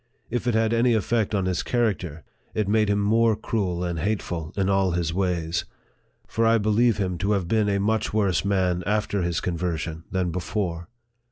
If it had any effect on his character, it made him more cruel and hateful in all his ways ; for I believe him to have been a much worse man after his conversion than before.